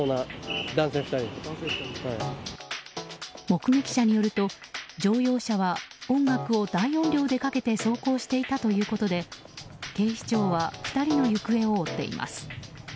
目撃者によると乗用車は音楽を大音量でかけて走行していたということで警視庁は２人の行方を追っています。